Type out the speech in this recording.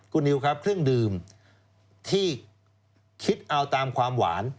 คุณนิวครับเครื่องดื่มที่คิดเอาตามความหวาน